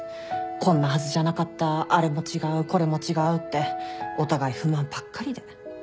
こんなはずじゃなかったあれも違うこれも違うってお互い不満ばっかりで。